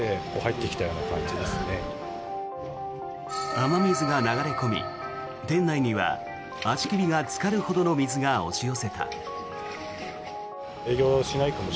雨水が流れ込み、店内には足首がつかるほどの水が押し寄せた。